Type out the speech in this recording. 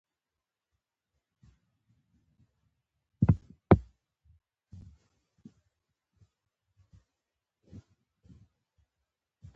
که په کور کې وي يوارې خو ورته غږ کړه !